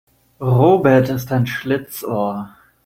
Robert ist ein Schlitzohr.